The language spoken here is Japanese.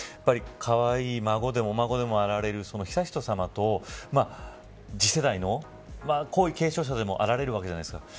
かわいいお孫でもあられる悠仁さまと次世代の皇位継承者でもあられるわけじゃないですか。